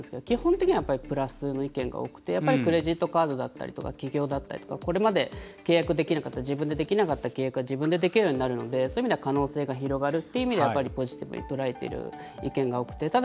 基本的にはやっぱり、プラスの意見が多くてクレジットカードだったりとか起業だったりとか、これまで自分でできなかった契約が自分でできるようになるのでそういう意味では可能性が広がるっていう意味ではやっぱりポジティブに捉えている意見が多くて。